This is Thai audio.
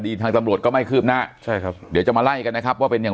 ทางตำรวจก็ไม่คืบหน้าใช่ครับเดี๋ยวจะมาไล่กันนะครับว่าเป็นอย่าง